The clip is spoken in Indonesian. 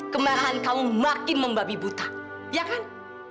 kemarahan kamu makin membabi buta ya kan